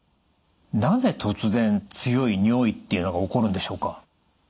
なぜ突然強い尿意っていうのが起こるんでしょうか？